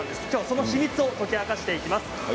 その秘密を解き明かしていきます。